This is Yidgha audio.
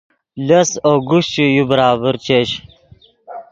لس اوگوشچے یو برابر چش